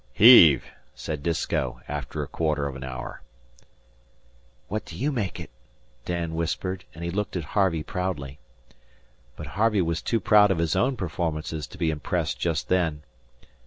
"Heave!" said Disko, after a quarter of an hour. "What d'you make it?" Dan whispered, and he looked at Harvey proudly. But Harvey was too proud of his own performances to be impressed just then.